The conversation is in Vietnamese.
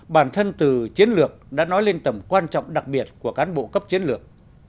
bản thân từ chiến lược đã nói lên tầm quan trọng đặc biệt của cán bộ cấp chiến lược